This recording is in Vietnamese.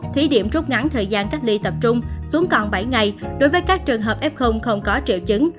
thí điểm trút ngắn thời gian cách ly tập trung xuống còn bảy ngày đối với các trường hợp f không có triệu chứng